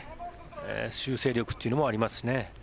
修正力というのもありますしね。